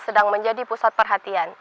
sedang menjadi pusat perhatian